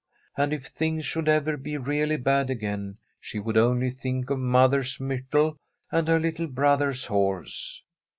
And if things should ever be really bad again, she would only think of mother's myrtle and her little brother's horse.